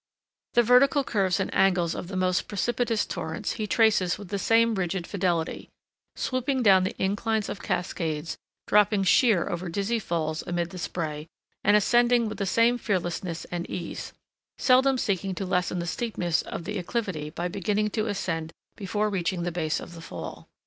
The vertical curves and angles of the most precipitous torrents he traces with the same rigid fidelity, swooping down the inclines of cascades, dropping sheer over dizzy falls amid the spray, and ascending with the same fearlessness and ease, seldom seeking to lessen the steepness of the acclivity by beginning to ascend before reaching the base of the fall.